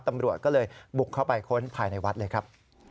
ตำรวจก็เลยบุกเข้าไปค้นภายในวัดเลยครับ